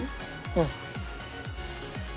うん。